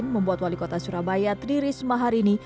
membuat wali kota surabaya tri risma hari ini